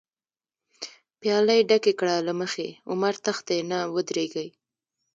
پیالی ډکی کړه له مخی، عمر تښتی نه ودریږی